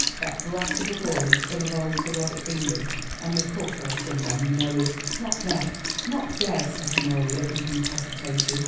that brat of a boy, the son of old Sir Robert Bingham and the cook or some one, you know, is——" "Not dead, not dead?" said Honoria in deep agitation.